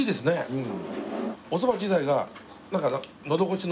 うん。